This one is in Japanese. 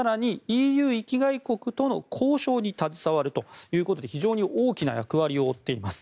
更に、ＥＵ域外国との交渉に携わるということで非常に大きな役割を負っています。